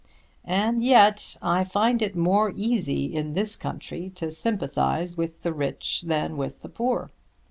And yet I find it more easy in this country to sympathise with the rich than with the poor.